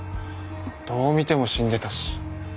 どう見ても死んでたし。